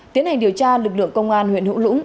tiến hành điều tra lực lượng công an huyện hữu lũng